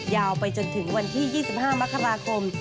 ยาวไปจนถึงวันที่๒๕มกราคม